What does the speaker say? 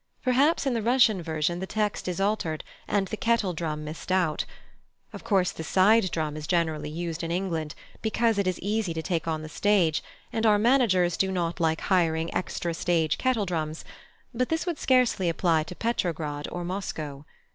Perhaps in the Russian version the text is altered and the kettledrum missed out. Of course, the side drum is generally used in England, because it is easy to take on the stage, and our managers do not like hiring extra stage kettledrums; but this would scarcely apply to Petrograd or Moscow.